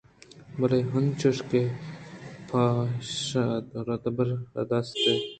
بلے انچو کہ ہپشاہءَروباہءَرا دیست